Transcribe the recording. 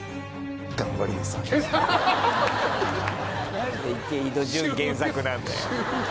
何で池井戸潤原作なんだよ。